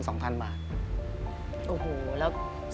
โอ้โหแล้ว